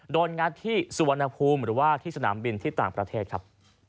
งัดที่สุวรรณภูมิหรือว่าที่สนามบินที่ต่างประเทศครับ